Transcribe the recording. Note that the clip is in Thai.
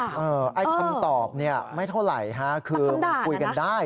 คำตอบไม่เท่าไหรควรพูดกันได้